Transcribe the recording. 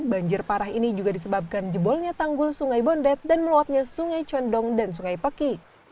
banjir parah ini juga disebabkan jebolnya tanggul sungai bondet dan meluapnya sungai condong dan sungai peki